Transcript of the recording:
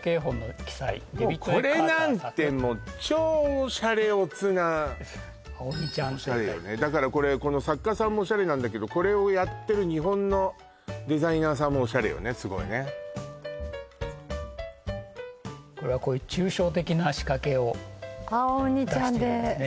これなんてもう超シャレオツな「あお２ちゃん」ってオシャレよねだからこれこの作家さんもオシャレなんだけどこれをやってる日本のデザイナーさんもオシャレよねすごいねこれはこういう抽象的な仕掛けを出しているんですね